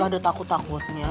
gak ada takut takutnya